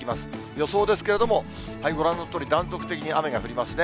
予想ですけれども、ご覧のとおり、断続的に雨が降りますね。